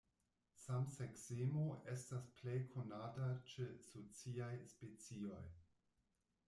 Samseksemo estas plej konata ĉe sociaj specioj.